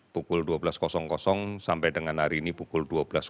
pukul dua belas sampai dengan hari ini pukul dua belas